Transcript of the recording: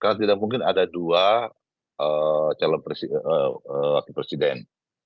karena tidak mungkin ada dua calon wakil presiden